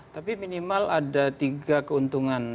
tapi minimal ada tiga keuntungan